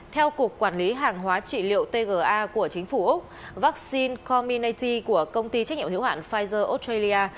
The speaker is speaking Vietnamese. theo cục quản lý hàng hóa trị liệu tga của chính phủ úc vaccine community của công ty trách nhiệm hữu hạn pfizer oxygen